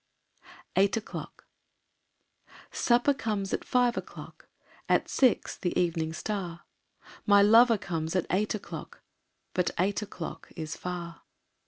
Eight O'Clock Supper comes at five o'clock, At six, the evening star, My lover comes at eight o'clock But eight o'clock is far.